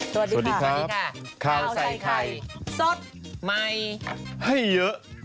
สวัสดีค่ะสวัสดีค่ะข้าวใส่ไข่สดใหม่ให้เยอะ